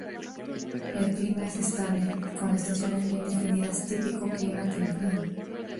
El clima es estable, con estaciones bien definidas, típico clima templado.